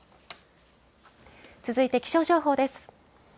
続いて気象情報です。